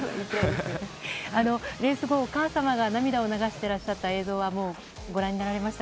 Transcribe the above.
レース後、お母様が涙を流してらっしゃった映像はご覧になりました？